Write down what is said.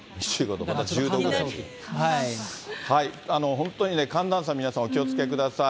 本当に寒暖差、皆さん、お気をつけください。